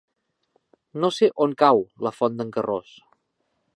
No sé on cau la Font d'en Carròs.